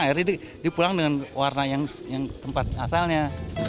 akhirnya dipulang dengan warna yang tempat asalnya